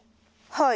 はい。